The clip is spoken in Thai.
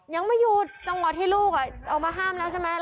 ยังไม่หยุดจังหวะที่ลูกออกมาห้ามแล้วใช่ไหม